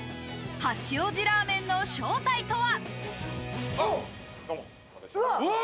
八王子ラーメンの正体とは？